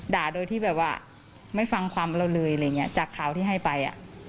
ด่าโดยที่ไม่ฟังความเราเลยจากข่าวที่ให้ไป